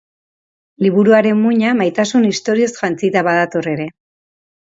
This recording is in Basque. Liburuaren muina, maitasun istorioz jantzita badator ere.